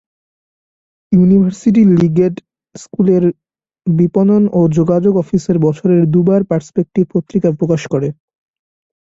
University লিগগেট স্কুলের বিপণন ও যোগাযোগ অফিস বছরে দুবার পারস্পেক্টিভ পত্রিকা প্রকাশ করে।